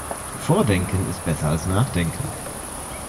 Vordenken ist besser als Nachdenken.